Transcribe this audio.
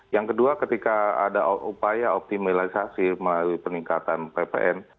yang kedua ketika ada upaya optimalisasi melalui peningkatan ppn